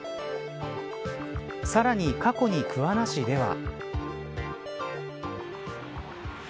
さらに過去に桑名市では。